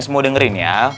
semua dengerin ya